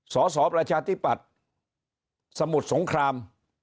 สสประชาธิปัตย์สมุทรสงคราม